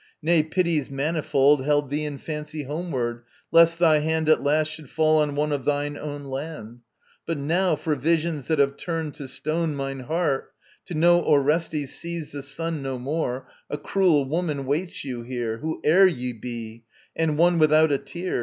Nay, pities manifold Held thee in fancy homeward, lest thy hand At last should fall on one of thine own land. But now, for visions that have turned to stone My heart, to know Orestes sees the sun No more, a cruel woman waits you here, Whoe'er ye be, and one without a tear.